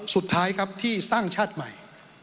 สุดท้ายครับที่สร้างชาติใหม่